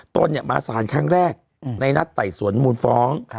ตนมาสารครั้งแรกในนัดไต่สวนมูลฟ้อง